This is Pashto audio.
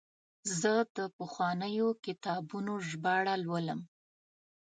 زه د پخوانیو کتابونو ژباړه لولم.